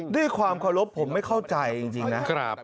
ด้วยความเคารพผมไม่เข้าใจจริงนะ